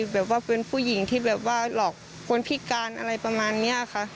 แบบว่าเป็นผู้หญิงที่แบบว่าหลอกคนพิการอะไรประมาณนี้ค่ะ